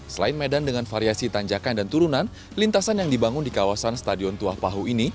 selain medan dengan variasi tanjakan dan turunan lintasan yang dibangun di kawasan stadion tuah pahu ini